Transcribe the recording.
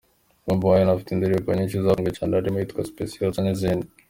Bob Wine afite indirimbo nyinshi zakunzwe cyane harimo iyitwa Specioza n’ izindi.